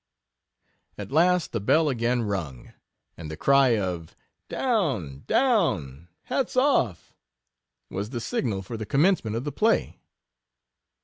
At last the bell again rung, and the cry of down, down — hats off, was the signal for the commence ment of the play.